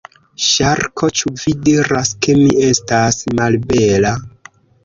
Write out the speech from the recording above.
Ŝarko: "Ĉu vi diras ke mi estas malbela?"